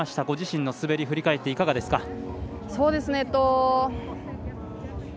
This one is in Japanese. ご自身の滑り振り返っていかがですか。